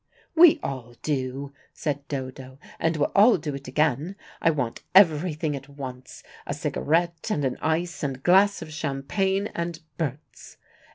"We all do," said Dodo, "and we'll all do it again. I want everything at once, a cigarette and an ice and a glass of champagne and Berts.